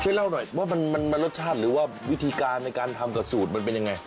ช่วยเล่าหน่อยว่ามันรสชาติหรือว่าวิธีการในการทำกับสูตรมันเป็นยังไง